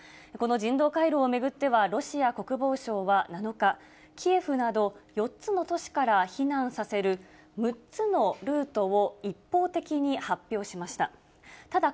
この人道回廊を巡っては、ロシア国防省は７日、キエフなど４つの都市から避難させる、６つのルートを一方的に発表しました。